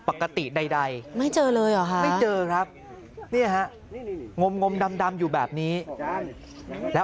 ปกติใดไม่เจอเลยหรอไม่เจอครับงมดำอยู่แบบนี้แล้ว